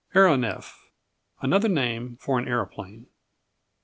Aeronef Another name for an aeroplane.